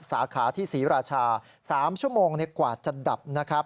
สาขาที่ศรีราชา๓ชั่วโมงกว่าจะดับนะครับ